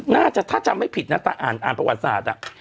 น่าจะถ้าจำไม่ผิดนะแต่อ่านประวัติศาสตร์